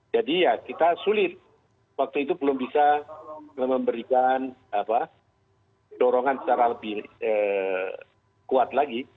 jadi ya kita sulit waktu itu belum bisa memberikan dorongan secara lebih kuat lagi